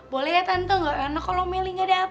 boleh ya tante ga enak kalo meli ga dateng ya